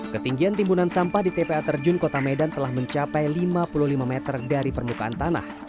ketinggian timbunan sampah di tpa terjun kota medan telah mencapai lima puluh lima meter dari permukaan tanah